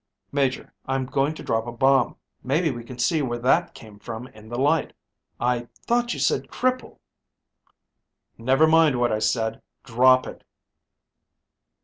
"Major, I'm going to drop a bomb. Maybe we can see where that came from in the light. I thought you said cripple." "Never mind what I said. Drop it."